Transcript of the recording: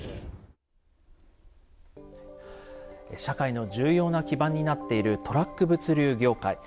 社会の重要な基盤になっているトラック物流業界。